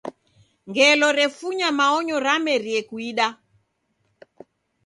Ngelo refunya maonyo ramerie kuida.